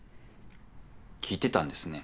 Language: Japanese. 聞いてたんですね。